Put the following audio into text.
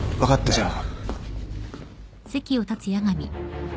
じゃあ。